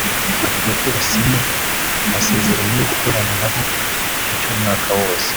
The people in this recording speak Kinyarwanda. avuga ko basinye amasezerano yo gukorana nabo mu gihe cy’umwaka wose